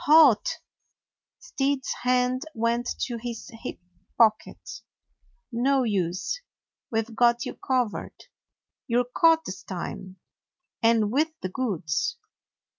"Halt!" Stead's hand went to his hip pocket. "No use. We 've got you covered. You 're caught this time; and with the goods."